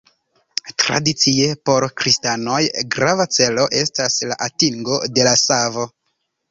Tradicie, por kristanoj, grava celo estas la atingo de la savo.